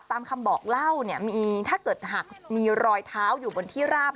ตามคำบอกเล่าเนี่ยมีถ้าเกิดหากมีรอยเท้าอยู่บนที่ราบ